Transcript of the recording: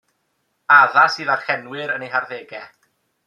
Addas i ddarllenwyr yn eu harddegau.